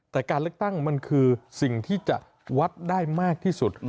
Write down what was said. แต่การเลือกตั้งมันคือสิ่งที่จะวัดได้มากที่สุด